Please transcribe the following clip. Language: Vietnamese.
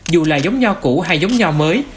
dù là giống nho cũ hay giống nho mới